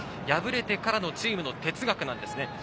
敗れてからのチームの哲学です。